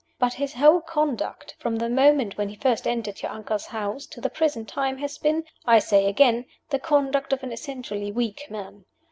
But his whole conduct, from the moment when he first entered your uncle's house to the present time, has been, I say again, the conduct of an essentially weak man.